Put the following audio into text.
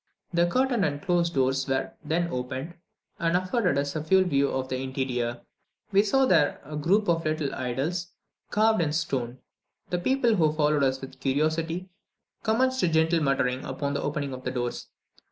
The curtained and closed doors were then opened, and afforded us a full view of the interior. We saw there a little group of idols carved in stone. The people who followed us with curiosity commenced a gentle muttering upon the opening of the doors.